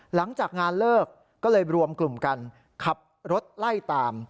หลังจากงานเลิกก็เลยรวมกลุ่มกันขับรถไล่ตาม